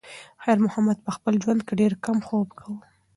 خیر محمد په خپل ژوند کې ډېر کم خوب کاوه.